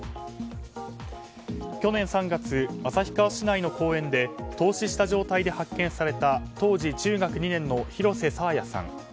去年３月、旭川市内の公園で凍死した状態で発見された当時中学２年の広瀬爽彩さん。